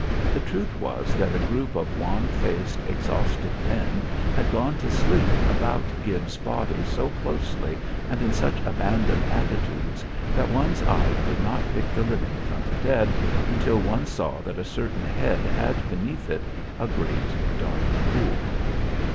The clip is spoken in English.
The truth was that a group of wan faced, exhausted men had gone to sleep about Gibbs' body so closely and in such abandoned attitudes that one's eye could not pick the living from the dead until one saw that a certain head had beneath it a great dark pool.